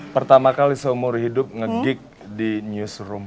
pertama kali seumur hidup nge geek di newsroom